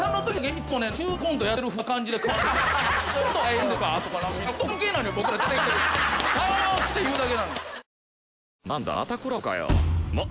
えっ！？